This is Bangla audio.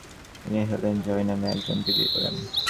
তিনি হেলেন জয় নামে একজনকে বিয়ে করেন।